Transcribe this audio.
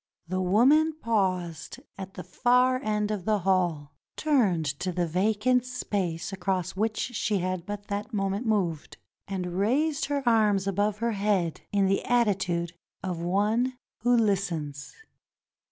The woman paused at the far end of the hall, turned to the vacant space across which she had but that 362 THE MUSIC OF THE DESERT moment moved, and raised her arms above her head in the attitude of one who listens.